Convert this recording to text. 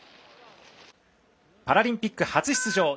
パラリンピック初出場